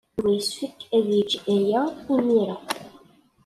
Yuba yessefk ad yeg aya imir-a.